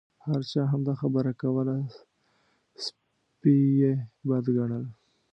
هر چا همدا خبره کوله سپي یې بد ګڼل.